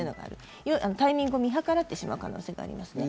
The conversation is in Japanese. タイミングを見計らってしまう可能性があります。